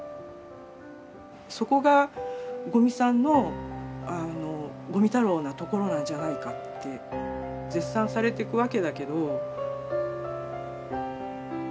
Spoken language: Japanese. そこが五味さんの五味太郎なところなんじゃないかって絶賛されてくわけだけど。